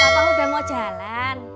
papa udah mau jalan